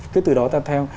cái từ đó ta theo